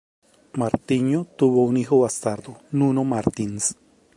Martinho tuvo un hijo bastardo, Nuno Martins.